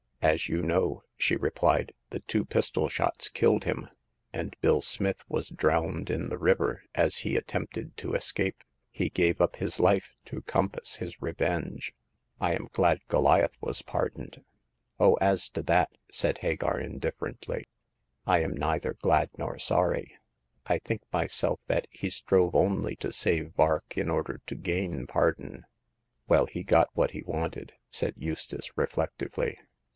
*' As you know," she replied, *'the two pistol shots killed him ; and Bill Smith was drowned in the river as he attempted to escape. He gave up his life to compass his revenge." I am glad Goliath was pardoned." " Oh, as to that," said Hagar, indifferently, " I The Passing of Hagar. 295 am neither glad nor sorry. I think myself that he only strove to save Vark in order to gain par don." Well, he got what he wanted, said Eustace, reflectively.